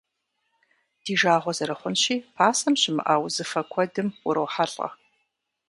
Ди жагъуэ зэрыхъунщи, пасэм щымыӏа узыфэ куэдым урохьэлӏэ.